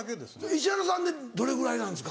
石原さんでどれぐらいなんですか？